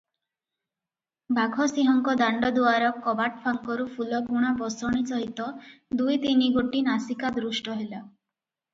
ବାଘସିଂହଙ୍କ ଦାଣ୍ତଦୁଆର କବାଟ ଫାଙ୍କରୁ ଫୁଲଗୁଣା ବସଣି ସହିତ ଦୁଇ ତିନିଗୋଟି ନାସିକା ଦୃଷ୍ଟ ହେଲା ।